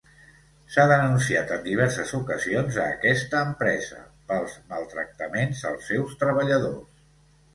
S'ha denunciat en diverses ocasions a aquesta empresa pels maltractaments als seus treballadors.